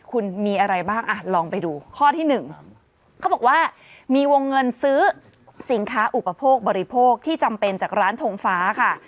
คุณมีอะไรบ้างอ่ะลองไปดูข้อที่หนึ่งเขาบอกว่ามีวงเงินซื้อสินค้าอุปโภคบริโภคที่จำเป็นจากร้านทงฟ้าค่ะ